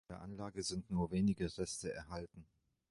Von der Anlage sind nur wenige Reste erhalten.